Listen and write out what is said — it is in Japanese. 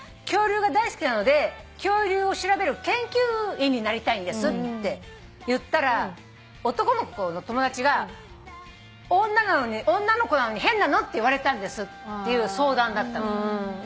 恐竜が大好きなので恐竜を調べる研究員になりたいんですって言ったら男の子の友達が「女の子なのに変なの」って言われたんですっていう相談だったの。